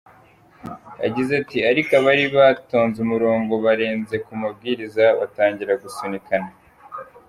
Yagize ati: "Ariko abari batonze umurongo barenze ku mabwiriza batangira gusunikana".